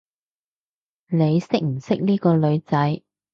你識唔識呢個女仔？